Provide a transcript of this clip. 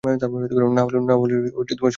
না হলে ষোল জনই মরবি।